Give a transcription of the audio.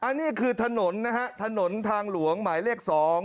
อันนี้คือถนนนะฮะถนนทางหลวงหมายเลข๒